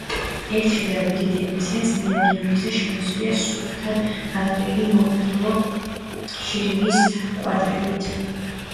ერთი, შედარებით დიდი, ეკლესია წმინდა გიორგისა შემოსილია სუფთად გათლილი მოყვითალო შირიმის კვადრებით.